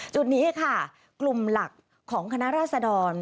จุดนี้ค่ะกลุ่มหลักของคณะราษดร